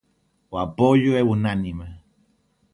O apoio é unánime.